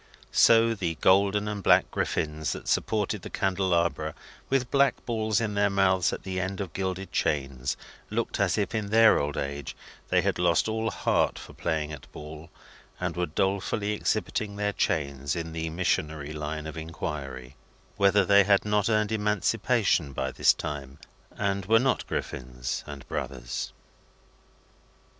So, the golden and black griffins that supported the candelabra, with black balls in their mouths at the end of gilded chains, looked as if in their old age they had lost all heart for playing at ball, and were dolefully exhibiting their chains in the Missionary line of inquiry, whether they had not earned emancipation by this time, and were not griffins and brothers.